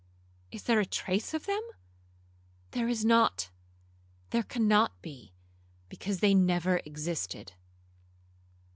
Is there a trace of them?—there is not, there cannot be, because they never existed.'